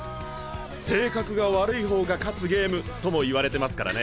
性格が悪い方が勝つゲームとも言われてますからね。